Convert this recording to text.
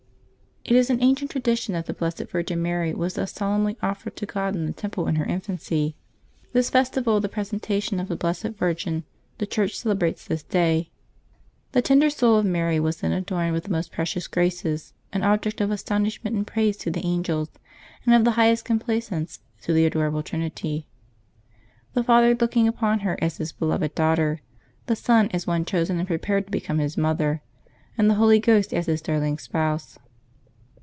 It is an ancient tradition that the Blessed Virgin Mary was thus solemnly offered to God in the Temple in her infancy. This festival of the Presentation of the Blessed Virgin the Church celebrates this day. The tender soul of Mary was then adorned with the most precious graces, an object of astonishment and praise to the angels, and of the highest complacence to the adorable Trinity; the Father looking upon her as His beloved daughter, the Son as one chosen and prepared to become His mother, and the Holy Ghost as His darling spouse.